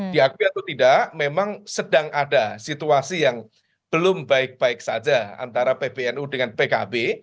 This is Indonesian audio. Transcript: diakui atau tidak memang sedang ada situasi yang belum baik baik saja antara pbnu dengan pkb